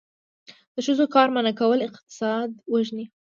د ښځو کار منع کول اقتصاد وژني.